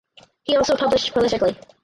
He also published prolifically.